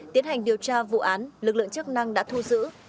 tiến hành điều tra vụ án lực lượng chức năng đã thu giữ